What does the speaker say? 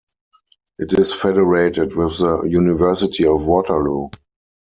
It is federated with the University of Waterloo.